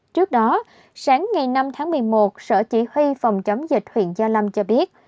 trước đó sáng ngày năm tháng một mươi một sở chỉ huy phòng chống dịch huyện gia lâm cho biết